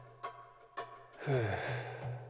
ふう。